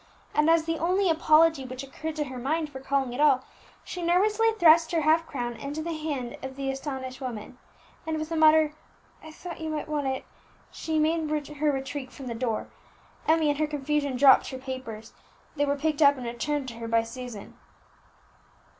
And as the only apology which occurred to her mind for calling at all, she nervously thrust her half crown into the hand of the astonished woman, and with a muttered "I thought you might want it," made her retreat from the door. Emmie in her confusion dropped her papers; they were picked up and returned to her by Susan.